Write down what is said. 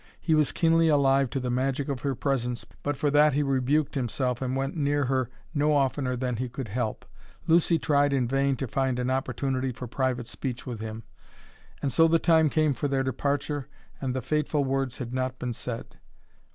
He was keenly alive to the magic of her presence, but for that he rebuked himself and went near her no oftener than he could help. Lucy tried in vain to find an opportunity for private speech with him. And so the time came for their departure and the fateful words had not been said.